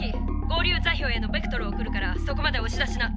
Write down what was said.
合流座標へのベクトル送るからそこまでおし出しな」。